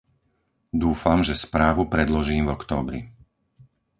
Dúfam, že správu predložím v októbri.